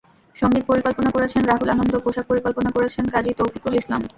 সংগীত পরিকল্পনা করেছেন রাহুল আনন্দ, পোশাক পরিকল্পনা করেছেন কাজী তৌফিকুল ইসলাম।